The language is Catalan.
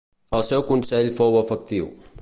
El seu consell fou efectiu.